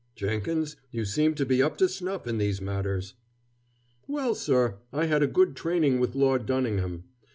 "Jenkins, you seem to be up to snuff in these matters." "Well, sir, I had a good training with Lord Dunningham.